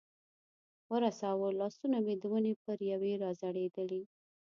ورساوه، لاسونه مې د ونې پر یوې را ځړېدلې.